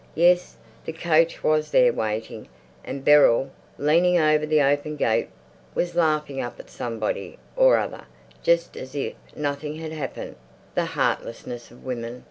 Yes, the coach was there waiting, and Beryl, leaning over the open gate, was laughing up at somebody or other just as if nothing had happened. The heartlessness of women!